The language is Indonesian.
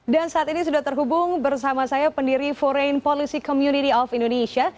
dan saat ini sudah terhubung bersama saya pendiri foreign policy community of indonesia